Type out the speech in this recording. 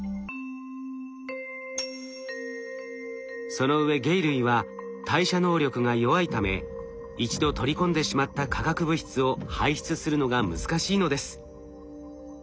そのうえ鯨類は代謝能力が弱いため一度取り込んでしまった化学物質を排出するのが難しいのです。